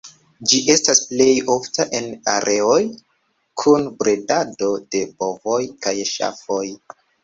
Ĝi estas plej ofta en areoj kun bredado de bovoj kaj ŝafoj.